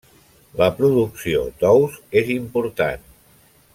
La producció d'ous és important.